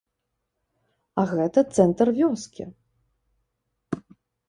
А гэта цэнтр вёскі!